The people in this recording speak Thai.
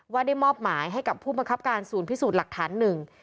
ได้มอบหมายให้กับผู้บังคับการศูนย์พิสูจน์หลักฐานหนึ่ง